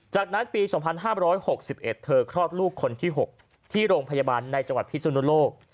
จากนั้นปี๒๕๖๑เธอคลอดลูกคนที่๖ที่โรงพยาบาลในจังหวัดพิสุนุโลก